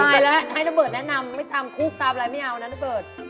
ตายแล้วให้น้าเบิร์ดแนะนำไม่ทำคลุปตามอะไรไม่เอานะน้าเบิร์ด